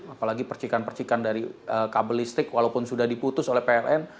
apalagi percikan percikan dari kabel listrik walaupun sudah diputus oleh pln